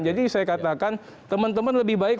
jadi saya katakan teman teman lebih baik